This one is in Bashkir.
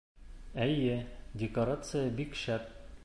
Эйе, декорация бик шәп